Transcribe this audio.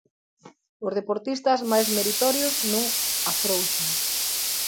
Os deportistas máis meritorios non afrouxan.